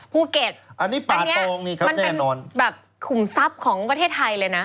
ภูเก็ตอันนี้มันเป็นแบบขุมทรัพย์ของประเทศไทยเลยนะ